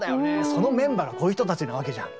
そのメンバーがこういう人たちなわけじゃん。